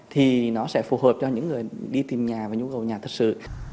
thì nó sẽ phù hợp cho những người đi tìm nhà và nhu cầu nhà thật sự